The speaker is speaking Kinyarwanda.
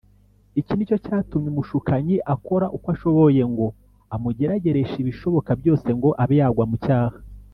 Iki nicyo cyatumwe umushukanyi akora uko ashoboye ngo amugeragereshe ibishoboka byose, ngo abe yagwa mu cyaha.